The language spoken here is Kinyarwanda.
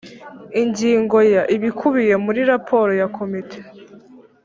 Ingingo ya ibikubiye muri raporo ya komite